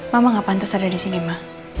mama gak pantas ada disini ma